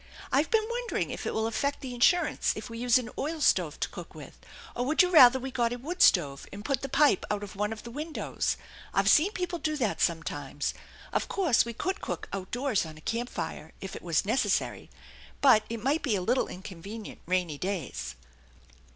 I've been wondering if it will affect the insurance if we use an oil stove to cook with, or would you rather we got a wood stove and put the pipe out of one of the windows ? I've seen people do that sometimes. Of course V?Q could cook outdoors on a camp fire if it was necessary, but it might be a little inconvenient rainy days."